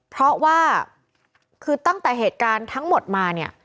เพราะว่าคือตั้งแต่เหตุการณ์ทั้งหมดมาเนี่ย